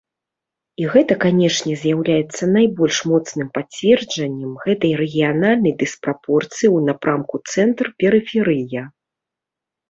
І гэта, канечне, з'яўляецца найбольш моцным пацверджаннем гэтай рэгіянальнай дыспрапорцыі ў напрамку цэнтр-перыферыя.